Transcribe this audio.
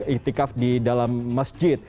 itikaf di dalam masjid